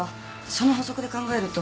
その法則で考えると。